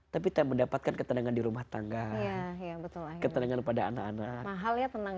tapi tak mendapatkan ketenangan di rumah tangga ya betul betul yang pada anak anak mahal ya tenang